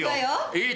いい！